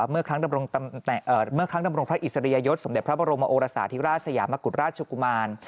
เมื่อครั้งดำรงพระอิสริยยศสมเด็จพระบรมโอรสาธิราชสยามกุฎราชกุมาร